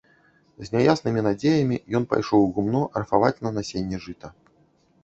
З няяснымі надзеямі ён пайшоў у гумно арфаваць на насенне жыта.